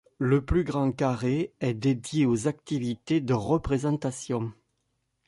Le plus grand carré est dédié aux activités de représentation.